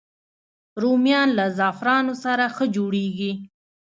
رومیان له زعفرانو سره ښه جوړېږي